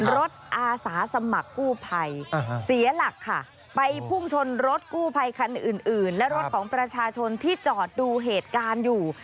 รถอาสาสมัครกู้ภัยเสียหลักค่ะไปพุ่งชนรถกู้ภัยคันอื่นและรถของประชาชนที่จอดดูเหตุการณ์อยู่